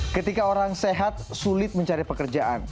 ketika orang sehat sulit mencari pekerjaan